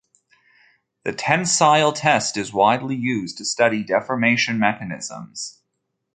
The tensile test is widely used to study deformation mechanisms.